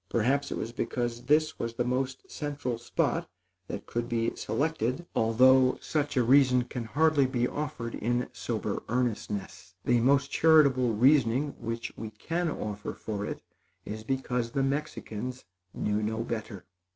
Perhaps it was because this was the most central spot that could be selected, although such a reason can hardly be offered in sober earnestness. The most charitable reasoning which we can offer for it, is because the Mexicans knew no better.